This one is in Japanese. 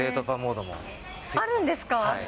あるんですか？